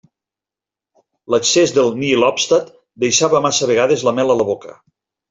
L'excés del nihil obstat deixava massa vegades la mel a la boca.